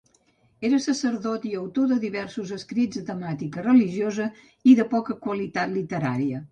Era sacerdot i autor de diversos escrits de temàtica religiosa i de poca qualitat literària.